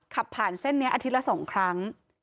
ขับผ่านเส้นนี้อาทิตย์ละ๒ครั้ง